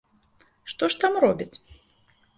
Што ж там робяць?